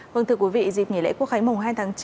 vâng thưa quý vị dịp nghỉ lễ quốc khánh mùng hai tháng chín